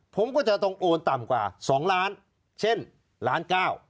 ผมก็จะต้องโอนต่ำกว่า๒ล้านเช่นล้านเก้า